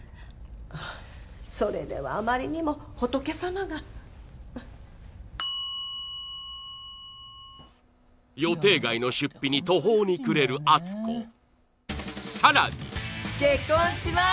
あっそれではあまりにも仏様が予定外の出費に途方に暮れる篤子さらに結婚します！